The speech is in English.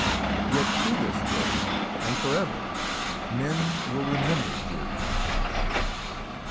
Yet to this day and for ever, men will remember Deirdrê...."